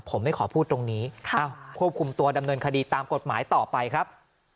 ผมไม่ขอพูดตรงนี้ควบคุมตัวดำเนินคดีตามกฎหมายต่อไปครับ